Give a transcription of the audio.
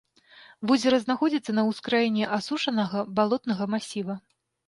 Возера знаходзіцца на ўскраіне асушанага балотнага масіва.